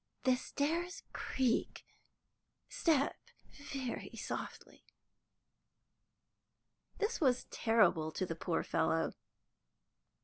"The stairs creak so. Step very softly." This was terrible to the poor fellow.